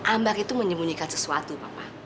ambar itu menyembunyikan sesuatu papa